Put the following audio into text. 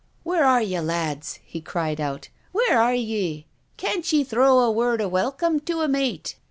" Where are ye, lads ?" he cried out. " Where arc ye ? Can't ye throw a word of welcome to a mate